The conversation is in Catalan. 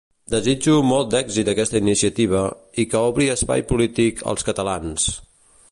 Desitjo molt èxit a aquesta iniciativa, i que obri espai polític als catalans.